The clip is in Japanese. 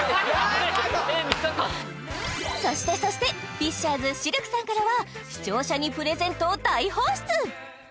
そしてそしてＦｉｓｃｈｅｒ’ｓシルクさんからは視聴者にプレゼントを大放出！